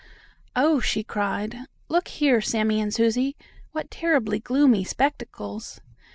"Oh!" she cried, "look here, Sammie and Susie! What terribly gloomy spectacles!"